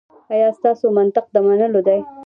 ایا ستاسو منطق د منلو دی؟